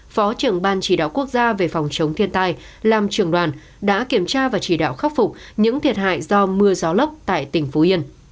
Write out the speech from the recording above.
phó trưởng ban chỉ đạo quốc gia về phòng chống thiên tai làm trưởng đoàn đã kiểm tra và chỉ đạo khắc phục những thiệt hại do mưa gió lốc tại tỉnh phú yên